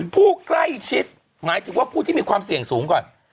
ผู้ใกล้ชิดหมายถึงว่าผู้ที่มีความเสี่ยงสูงก่อน